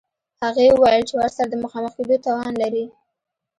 هغې وویل چې ورسره د مخامخ کېدو توان نلري